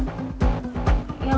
aduh aku mau pulang